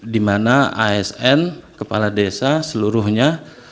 di mana asn kepala desa seluruhnya